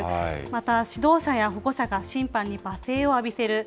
また指導者や保護者が審判に罵声を浴びせる。